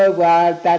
thầy gặp mẹ